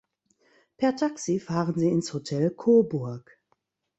Per Taxi fahren sie ins Hotel „Coburg“.